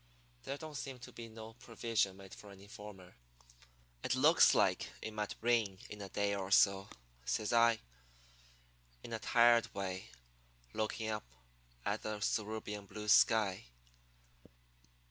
There don't seem to be no provision made for an informer.' "'It looks like it might rain in a day or so,' says I, in a tired way, looking up at the cerulean blue sky.